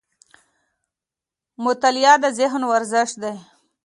مطالعه د ذهن ورزش دی